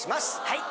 はい。